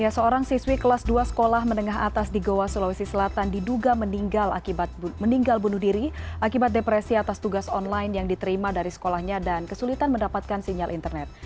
seorang siswi kelas dua sekolah menengah atas di goa sulawesi selatan diduga meninggal bunuh diri akibat depresi atas tugas online yang diterima dari sekolahnya dan kesulitan mendapatkan sinyal internet